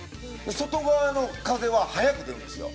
外側の風は速く出るんですよ。